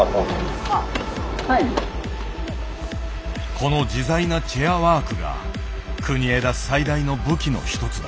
この自在なチェアワークが国枝最大の武器の一つだ。